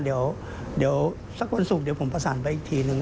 เดี๋ยวสักวันศุกร์เดี๋ยวผมประสานไปอีกทีนึง